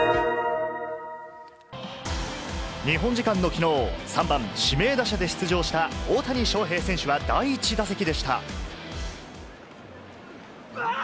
日本時間の昨日、３番・指名打者で出場した大谷翔平選手、第１打席でした。